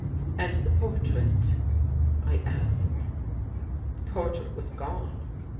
"And the portrait?" I asked. " The portrait was gone.